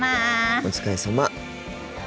お疲れさま。